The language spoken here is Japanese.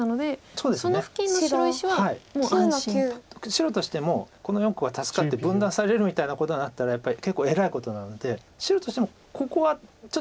白としてもこの４個が助かって分断されるみたいなことになったらやっぱり結構えらいことなので白としてもここはちょっと確保しておかないと